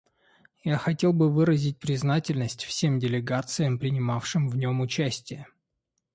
Я хотел бы выразить признательность всем делегациям, принимавшим в нем участие.